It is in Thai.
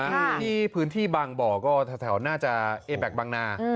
ใช่นี่พื้นที่บางบ่อก็แถวแน่น่าจะเอแป็กบางนา